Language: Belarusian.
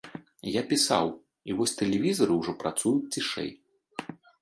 Я пісаў, і вось тэлевізары ўжо працуюць цішэй.